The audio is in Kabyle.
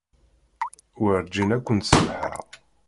Werǧin ad kent-samḥeɣ.